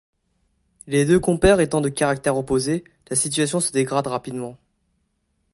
Les deux compères étant de caractère opposé, la situation se dégrade rapidement.